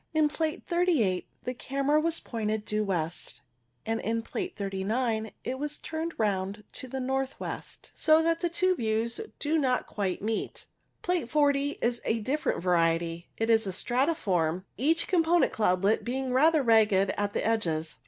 In Plate 38 the camera was pointed due west, and in Plate 39 it was turned round to the north west, so that the two views do not quite meet. Plate 40 is a different variety. It is stratiform, each component cloudlet being rather ragged at the edges.